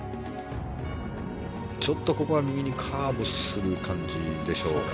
ちょっとここは右にカーブする感じでしょうか。